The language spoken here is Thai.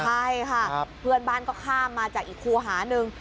ใช่ค่ะเพื่อนบ้านก็ข้ามมาจากอีกครูหาหนึ่ง